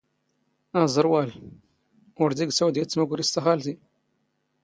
ⴰⵥⵔⵡⴰⵍ: ⵓⵔ ⴷⵉⴳⵙ ⴰⵡⴷ ⵢⴰⵜ ⵜⵎⵓⴽⵔⵉⵙⵜ, ⴰ ⵅⴰⵍⵜⵉ.